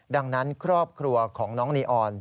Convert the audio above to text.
ดังนั้นครอบครัวของน้องนีออน